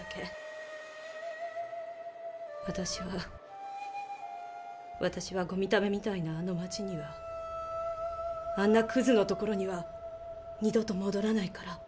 私は私はゴミためみたいなあの街にはあんなクズの所には二度ともどらないから。